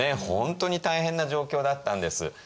本当に大変な状況だったんです。